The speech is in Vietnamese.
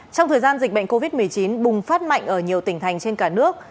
trong thời gian dịch bệnh covid một mươi chín bùng phát mạnh ở nhiều tỉnh thành trên cả nước